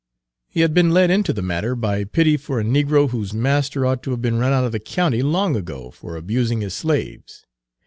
He had been led into the matter by pity for a negro whose master ought to have been run out of the county long ago for abusing his slaves.